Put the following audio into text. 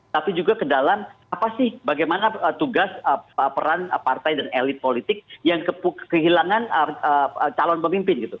tapi juga ke dalam apa sih bagaimana tugas peran partai dan elit politik yang kehilangan calon pemimpin gitu